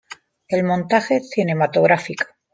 El montaje cinematográfico.